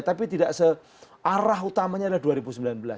tapi tidak searah utamanya adalah dua ribu sembilan belas